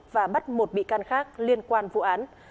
và bắt một bị can khác liên quan vụ án